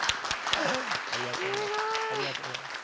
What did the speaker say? ありがとうございます。